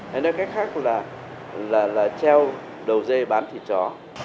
thế nên cách khác là treo đầu dê bán thịt chó